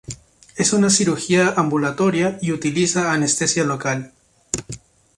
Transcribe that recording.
Es una cirugía ambulatoria y utiliza anestesia local.